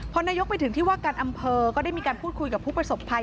พอนายกไปถึงที่ว่าการอำเภอก็ได้มีการพูดคุยกับผู้ประสบภัย